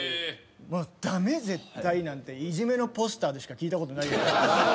「駄目絶対」なんていじめのポスターでしか聞いたことない。